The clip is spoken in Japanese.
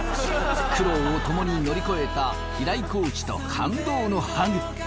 苦労を共に乗り越えた平井コーチと感動のハグ。